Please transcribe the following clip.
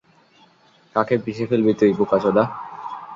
কাকে পিষে ফেলবি তুই, বোকাচোদা?